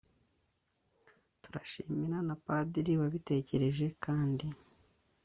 turashimira na padiri wabitekereje kandi